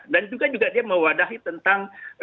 dan juga juga dia mewadahi tentang